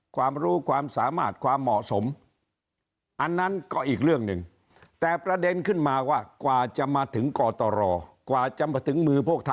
ความรู้ความสามารถความเหมาะสม